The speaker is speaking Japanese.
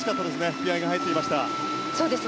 気合が入っていました。